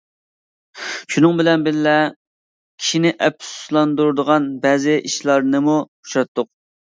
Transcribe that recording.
شۇنىڭ بىلەن بىللە، كىشىنى ئەپسۇسلاندۇرىدىغان بەزى ئىشلارنىمۇ ئۇچراتتۇق.